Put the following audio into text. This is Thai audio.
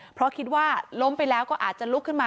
เพราะคิดว่าล้มไปแล้วก็อาจจะลุกขึ้นมา